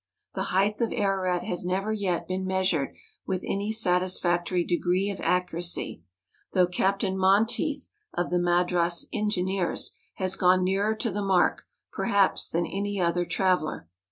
The height of Ararat has never yet been measured with any satis¬ factory degree of accuracy; though Capt. Monteith, of the Madras Engineers, has gone nearer to the mark, perhaps, than any other traveller.